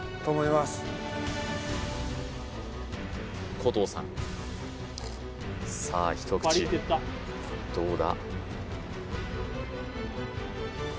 古藤さんさあ一口どうだ？